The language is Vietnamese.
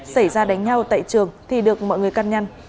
xảy ra đánh nhau tại trường thì được mọi người cân nhăn